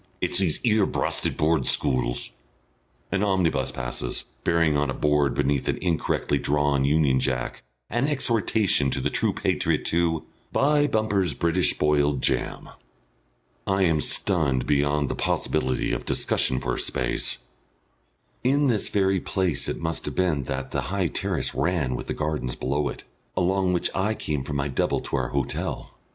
It's these 'ere brasted Board Schools " An omnibus passes, bearing on a board beneath an incorrectly drawn Union Jack an exhortation to the true patriot to "Buy Bumper's British Boiled Jam." ... I am stunned beyond the possibility of discussion for a space. In this very place it must have been that the high terrace ran with the gardens below it, along which I came from my double to our hotel.